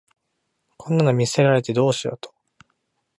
こんなの見せられてどうしろと